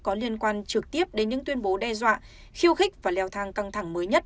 có liên quan trực tiếp đến những tuyên bố đe dọa khiêu khích và leo thang căng thẳng mới nhất